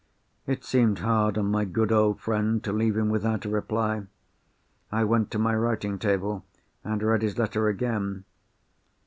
It seemed hard on my good old friend to leave him without a reply. I went to my writing table, and read his letter again.